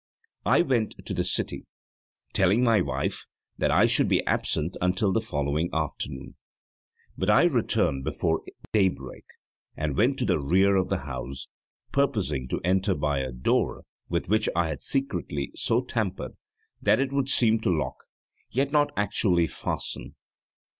I went to the city, telling my wife that I should be absent until the following afternoon. But I returned before daybreak and went to the rear of the house, purposing to enter by a door with which I had secretly so tampered that it would seem to lock, yet not actually fasten.